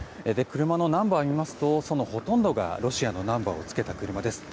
車のナンバーを見ますとそのほとんどがロシアのナンバーをつけた車です。